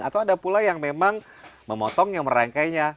atau ada pula yang memang memotongnya merangkainya